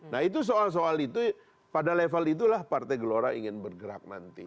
nah itu soal soal itu pada level itulah partai gelora ingin bergerak nanti